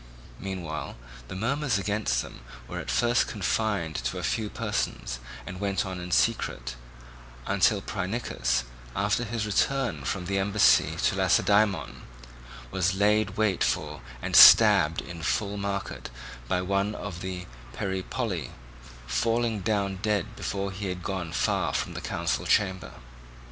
Meanwhile the murmurs against them were at first confined to a few persons and went on in secret, until Phrynichus, after his return from the embassy to Lacedaemon, was laid wait for and stabbed in full market by one of the Peripoli, falling down dead before he had gone far from the council chamber.